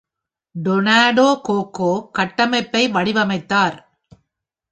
Tornado Coco கட்டமைப்பை வடிவமைத்தார்.